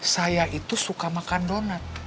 saya itu suka makan donat